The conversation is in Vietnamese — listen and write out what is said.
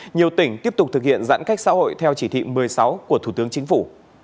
nhiều tỉnh tiếp tục thực hiện giãn cách xã hội theo chỉ thị một mươi sáu của thủ tướng chính phủ